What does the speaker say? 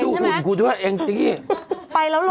นี่ชื่อดูขุนกูด้วยเองที่นี่